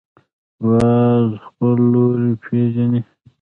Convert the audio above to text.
باز خپل لوری پېژني